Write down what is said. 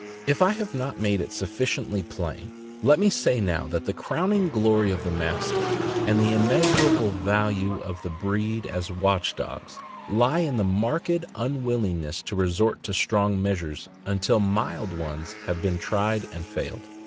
If I have not made it sufficiently plain, let me say now that the crowning glory of the Mastiff, and the immeasurable value 582 THE AMERICAN BOOK OF THE DOG. of the breed as watch dogs, lie in the marked unwilling ness to resort to strong measures until mild ones have been tried and failed.